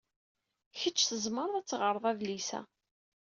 Kecc tzemred ad teɣred adlis-a.